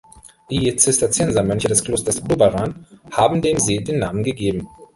Die Zisterziensermönche des Klosters Doberan haben dem See den Namen gegeben.